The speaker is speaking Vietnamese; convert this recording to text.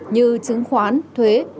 như chứng khoán thuế